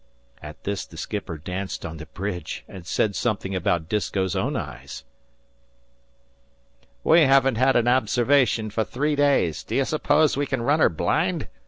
At this the skipper danced on the bridge and said something about Disko's own eyes. "We haven't had an observation for three days. D'you suppose we can run her blind?"